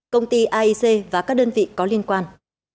công ty aic và các đơn vị có liên quan